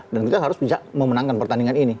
dan kita harus bisa memenangkan pertandingan ini